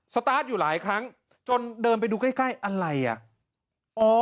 สตาร์ทอยู่หลายครั้งจนเดินไปดูใกล้ใกล้อะไรอ่ะอ๋อ